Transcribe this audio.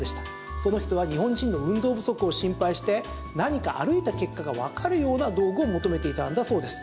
その人は日本人の運動不足を心配して何か歩いた結果がわかるような道具を求めていたんだそうです。